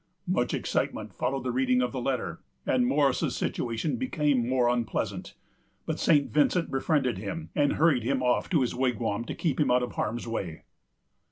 Much excitement followed the reading of the letter, and Morris's situation became more than unpleasant; but St. Vincent befriended him, and hurried him off to his wigwam to keep him out of harm's way.